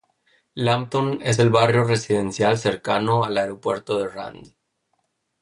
Lambton es el barrio residencial cercano al aeropuerto de Rand.